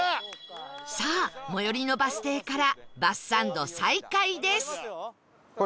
さあ最寄りのバス停からバスサンド再開です